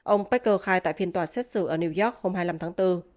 ông pecker khai tại phiên tòa xét xử ở new york hôm hai mươi năm tháng bốn